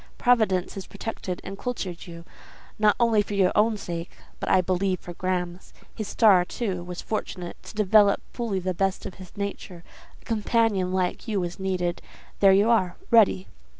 Providence has protected and cultured you, not only for your own sake, but I believe for Graham's. His star, too, was fortunate: to develop fully the best of his nature, a companion like you was needed: there you are, ready.